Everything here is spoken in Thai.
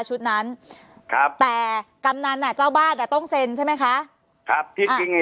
ชุดนั้นครับแต่กำนันอ่ะเจ้าบ้านอ่ะต้องเซ็นใช่ไหมคะครับที่จริง